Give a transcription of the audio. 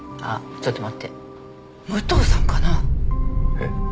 えっ？